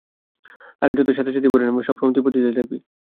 আরে যতই সাদা শাড়ি পড়ে নে, সবসময় তুই পতিতাই থাকবি!